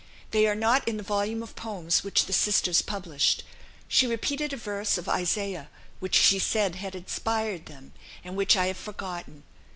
They are not in the volume of poems which the sisters published. She repeated a verse of Isaiah, which she said had inspired them, and which I have forgotten.